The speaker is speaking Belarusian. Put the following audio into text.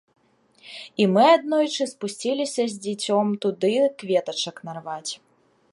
І мы аднойчы спусціліся з дзіцем туды кветачак нарваць.